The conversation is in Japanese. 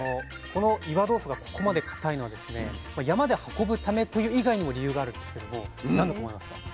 この岩豆腐がここまで固いのは山で運ぶためという以外にも理由があるんですけども何だと思いますか？